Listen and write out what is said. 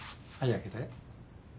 開けて。